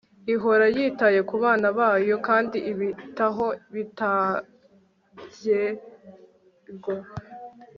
ihora yitaye ku bana bayo, kandi ibitaho bitagerwa